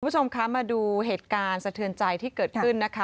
คุณผู้ชมคะมาดูเหตุการณ์สะเทือนใจที่เกิดขึ้นนะคะ